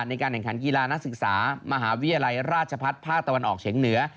ในการแข่งขันกีฬานักศึกษามหาวิทยาลัยราชพัฒน์ภาคตะวันออกเฉียงเหนือ